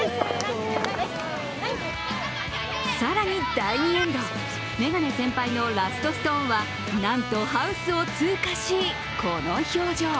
更に、第２エンド、メガネ先輩のラストストーンはなんと、ハウスを通過し、この表情。